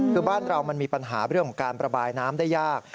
คือบ้านเรามันมีปัญหาเรื่องของการประบายน้ำได้ยาก